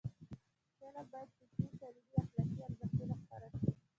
فلم باید فکري، تعلیمي او اخلاقی ارزښتونه خپاره کړي